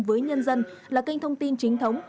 với nhân dân là kênh thông tin chính thống